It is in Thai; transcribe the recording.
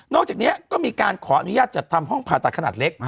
อกจากนี้ก็มีการขออนุญาตจัดทำห้องผ่าตัดขนาดเล็ก